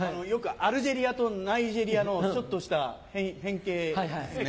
アルジェリアとナイジェリアのちょっとした変形ですね。